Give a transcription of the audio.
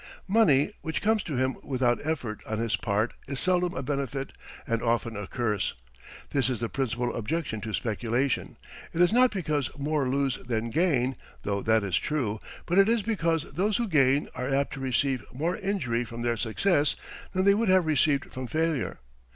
Money which comes to him without effort on his part is seldom a benefit and often a curse. That is the principal objection to speculation it is not because more lose than gain, though that is true but it is because those who gain are apt to receive more injury from their success than they would have received from failure.